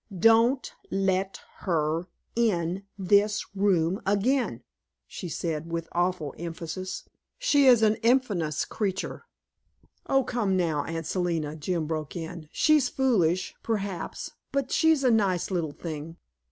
"Don't let her in this room again," she said, with awful emphasis. "She is an infamous creature." "Oh, come now, Aunt Selina," Jim broke in; "she's foolish, perhaps, but she's a nice little thing."